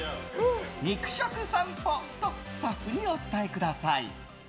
肉食さんぽとスタッフにお伝えください。